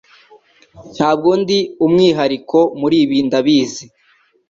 Ntabwo ndi umwihariko, muri ibi ndabizi.